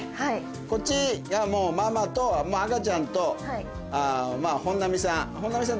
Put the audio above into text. こっちがもうママと赤ちゃんとまぁ本並さん本並さん